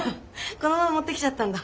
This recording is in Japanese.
このまま持ってきちゃったんだ。